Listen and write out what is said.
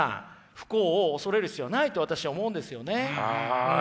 不幸を恐れる必要ないと私は思うんですよね。